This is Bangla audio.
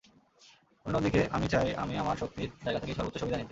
অন্যদিকে আমি চাই আমি আমার শক্তির জায়গা থেকে সর্বোচ্চ সুবিধা নিতে।